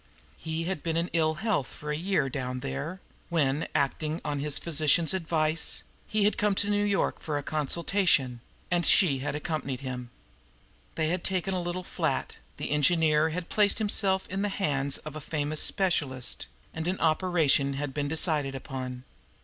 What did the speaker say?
He had been in ill health for a year down there, when, acting on his physician's advice, he had come to New York for consultation, and she had accompanied him. They had taken a little flat, the engineer had placed himself in the hands of a famous specialist, and an operation had been decided upon.